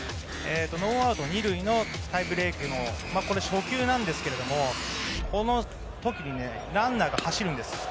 ノーアウト２塁タイブレークの初球なんですが、この時にランナーが走るんです。